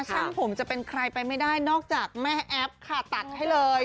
ช่างผมจะเป็นใครไปไม่ได้นอกจากแม่แอปค่ะตัดให้เลย